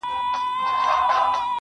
ما چي د ميني په شال ووهي ويده سمه زه,